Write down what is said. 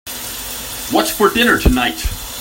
What's for dinner tonight?